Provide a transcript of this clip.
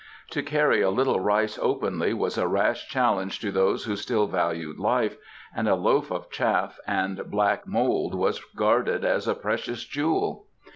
To carry a little rice openly was a rash challenge to those who still valued life, and a loaf of chaff and black mould was guarded as a precious jewel.